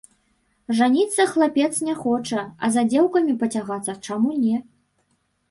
Жаніцца хлапец не хоча, а за дзеўкамі пацягацца чаму не!